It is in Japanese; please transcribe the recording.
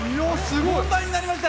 「問題」になりました！